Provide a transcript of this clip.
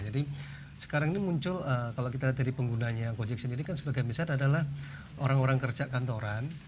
jadi sekarang ini muncul kalau kita lihat dari penggunanya gojek sendiri kan sebagai misal adalah orang orang kerja kantoran